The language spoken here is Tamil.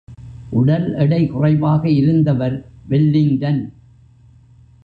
உடல் எடைகுறைவாக இருந்தவர் வெல்லிங்டன்.